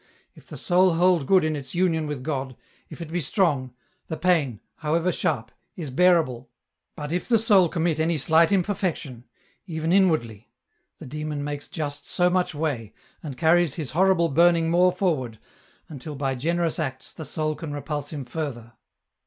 ... If the soul hold good in its union with God, if it be strong, the pain, however sharp, is bear 296 EN ROUTE. able ; but if the soul commit any slight imperfection, even in wardly, the Demon makes just so much way, and carries his horrible burning more forward, until by generous acts the soul can repulse him further."